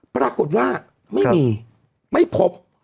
ปรากฏว่าไม่มีไม่พบ